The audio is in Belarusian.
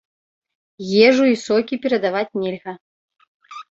Ежу і сокі перадаваць нельга.